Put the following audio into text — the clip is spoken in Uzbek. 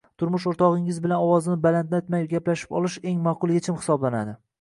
turmush o‘rtog‘ingiz bilan ovozni balandlatmay gaplashib olish eng maqbul yechim hisoblanadi.